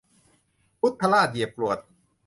คุดทะราดเหยียบกรวด